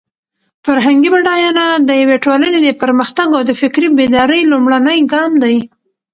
فرهنګي بډاینه د یوې ټولنې د پرمختګ او د فکري بیدارۍ لومړنی ګام دی.